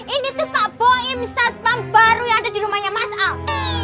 ini tuh pak boeing satpam baru yang ada di rumahnya mas al